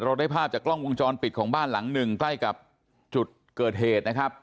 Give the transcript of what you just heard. ได้ภาพจากกล้องวงจรปิดของบ้านหลังหนึ่งใกล้กับจุดเกิดเหตุนะครับ